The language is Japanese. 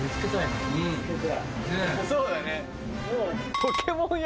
そうだね。